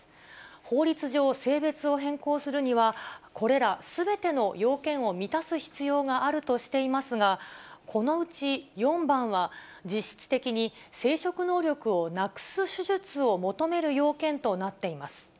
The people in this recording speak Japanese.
法律上、性別を変更するには、これらすべての要件を満たす必要があるとしていますが、このうち４番は、実質的に生殖能力をなくす手術を求める要件となっています。